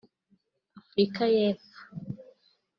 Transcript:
Afurika y’epfo